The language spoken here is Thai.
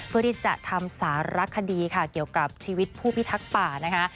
เพื่อที่จะทำสารคดีค่ะเกี่ยวกับชีวิตผู้พิทักษ์ป่านะคะ